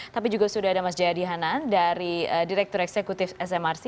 tapi juga sudah ada mas jayadi hanan dari direktur eksekutif smrc